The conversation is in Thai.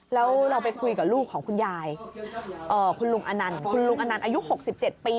แล้วเราไปคุยกับลูกของคุณยายคุณลุงอนันต์คุณลุงอนันต์อายุ๖๗ปี